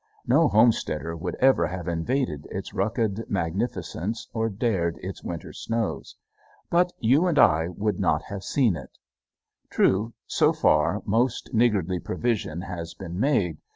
No homesteader would ever have invaded its rugged magnificence or dared its winter snows. But you and I would not have seen it. True, so far most niggardly provision has been made.